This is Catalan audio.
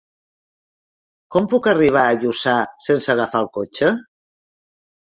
Com puc arribar a Lluçà sense agafar el cotxe?